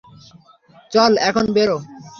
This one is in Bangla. চল, এখন বেরো।